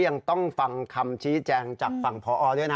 ยังต้องฟังคำชี้แจงจากฝั่งพอด้วยนะ